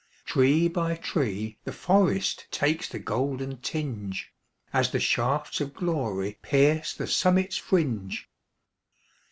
Tree by tree the forest Takes the golden tinge, As the shafts of glory Pierce the summit's fringe.